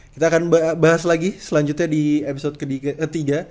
kita akan bahas lagi selanjutnya di episode ketiga